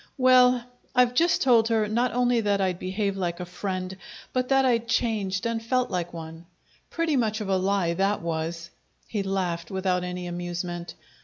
Well, I've just told her not only that I'd behave like a friend, but that I'd changed and felt like one. Pretty much of a lie that was!" He laighed, without any amusement.